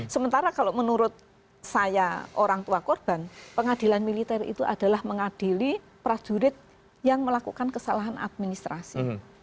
sementara kalau menurut saya orang tua korban pengadilan militer itu adalah mengadili prajurit yang melakukan kesalahan administrasi